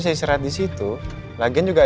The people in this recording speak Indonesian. kamu ikut dampingin saya ya